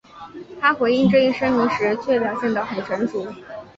他回应这一声明时却表现得很成熟。